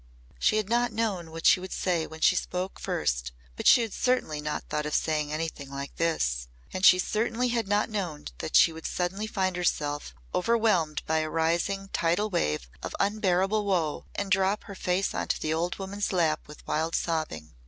She had not known what she would say when she spoke first but she had certainly not thought of saying anything like this. And she certainly had not known that she would suddenly find herself overwhelmed by a rising tidal wave of unbearable woe and drop her face on to the old woman's lap with wild sobbing.